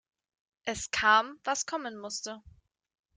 Es kam, was kommen musste.